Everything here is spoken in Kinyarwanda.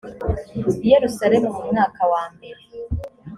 i yerusalemu mu mwaka wambere